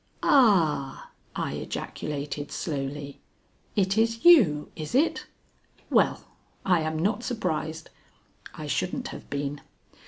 "Ah!" I ejaculated slowly. "It is you, is it? Well, I am not surprised." (I shouldn't have been.)